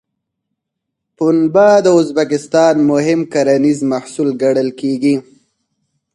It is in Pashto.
پنبه د ازبکستان مهم کرنیز محصول ګڼل کېږي.